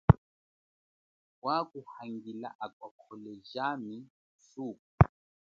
Wakuhangila akwa khole jami kusuku.